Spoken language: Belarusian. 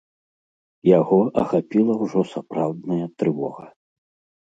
Яго ахапіла ўжо сапраўдная трывога.